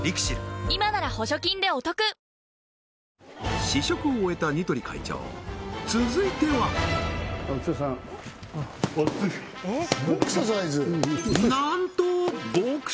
今なら補助金でお得試食を終えた似鳥会長続いてはなんと！